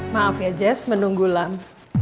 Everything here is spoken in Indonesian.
maaf ya jess menunggu lang